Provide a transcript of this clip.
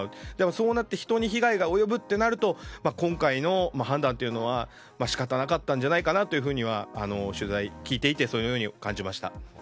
そうなって人に被害が及ぶとなると今回の判断は仕方なかったんじゃないかなというふうには聞いていて感じました。